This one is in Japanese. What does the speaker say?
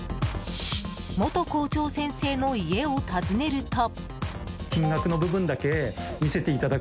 元校長先生の家を訪ねると。